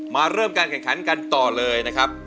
เริ่มการแข่งขันกันต่อเลยนะครับ